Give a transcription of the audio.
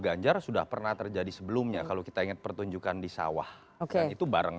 ganjar sudah pernah terjadi sebelumnya kalau kita ingat pertunjukan di sawah dan itu bareng